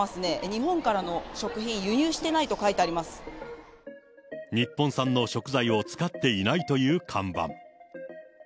日本からの食品、日本産の食材を使っていないという看板。